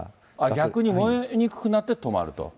逆に燃えにくくなって止まると。